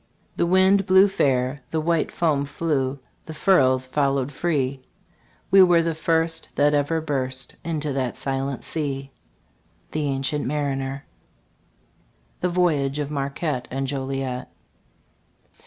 The wind blew fair; the white foam flew; The furrows followed free; We were the first that ever burst Into that silent sea. The Ancient Mariner THE VOYAGE OF MARQUETTE AND JOLIET.